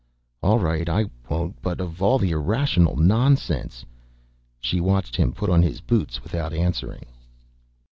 "All right, I won't. But of all the irrational nonsense " She watched him put on his boots without answering.